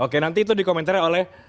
oke nanti itu di komentari oleh